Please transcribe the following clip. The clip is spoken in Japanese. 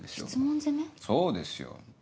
そうですよ。